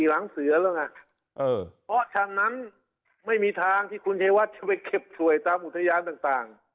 หลังเสือแล้วไงเพราะฉะนั้นไม่มีทางที่คุณชัยวัดจะไปเก็บสวยตามอุทยานต่าง